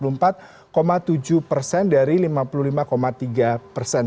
rp empat puluh empat tujuh persen dari rp lima puluh lima tiga persen